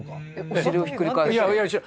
お尻をひっくり返して？